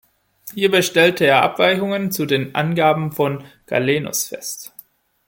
Hierbei stellte er Abweichungen zu den Angaben von Galenos fest.